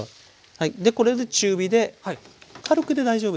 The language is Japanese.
はいでこれで中火で軽くで大丈夫です。